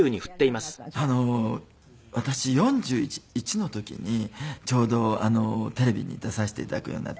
私４１の時にちょうどテレビに出させて頂くようになったんですね